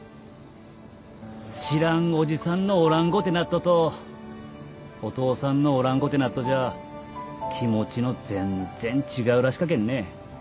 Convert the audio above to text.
知らんおじさんのおらんごてなっととお父さんがおらんごてなっとじゃ気持ちの全然違うらしかけんね。